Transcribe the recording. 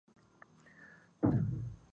کلي د جغرافیوي تنوع یو ښه مثال دی.